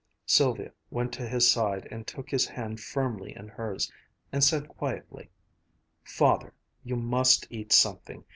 Sylvia went to his side, took his hand firmly in hers, and said quietly: "Father, you must eat something.